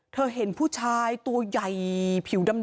เห็นผู้ชายตัวใหญ่ผิวดำ